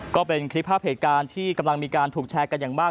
ก็เป็นคลิปภาพเหตุการณ์ที่กำลังมีการถูกแชร์กันอย่างมาก